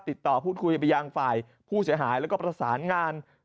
ติดต่อพูดคุยไปยังฝ่ายผู้เสียหายแล้วก็ประสานงาน